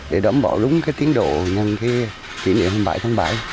để đóng bỏ đúng tiến độ nhân kỷ niệm hôm bảy tháng bảy